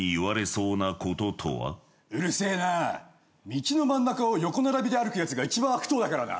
道の真ん中を横並びで歩くやつが一番悪党だからな。